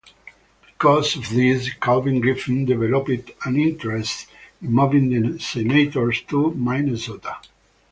Because of this, Calvin Griffith developed an interest in moving the Senators to Minnesota.